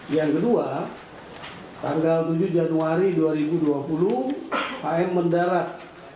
yang kedua tanggal tujuh januari dua ribu dua puluh hm mendarat